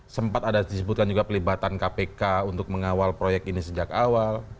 sempat ada disebutkan juga pelibatan kpk untuk mengawal proyek ini sejak awal